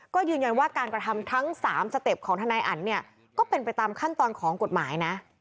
ก็ยืนยันว่าการกระทำทั้ง๓สเต็ปของทนายอันเนี่ยก็เป็นไปตามขั้นตอนของกฎหมายนะ